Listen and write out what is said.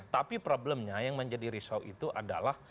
tapi problemnya yang menjadi risau itu adalah